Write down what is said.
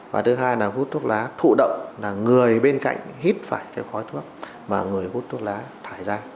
và thứ hai là hút thuốc lá thụ động là người bên cạnh hít phải cái khói thuốc mà người hút thuốc lá thải ra